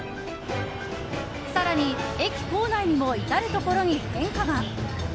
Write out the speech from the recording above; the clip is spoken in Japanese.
更に、駅構内にも至るところに変化が。